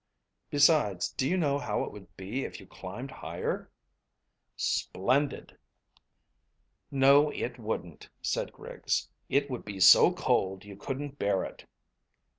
Besides, do you know how it would be if you climbed higher?" "Splendid." "No it wouldn't," said Griggs. "It would be so cold you couldn't bear it."